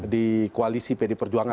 di koalisi pd perjuangan